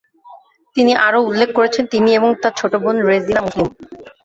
তিনি আরো উল্লেখ করেছেন তিনি এবং তার ছোট বোন রেজিনা মুসলিম।